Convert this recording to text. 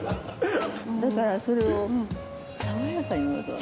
だからそれを爽やかに惑わす。